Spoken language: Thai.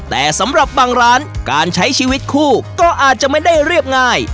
แต่สำหรับบางร้านการใช้ชีวิตคู่ก็อาจจะไม่ได้เรียบง่าย